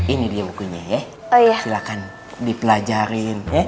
ini dia bukunya ya oh ya silakan dipelajari